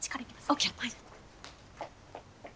ＯＫ！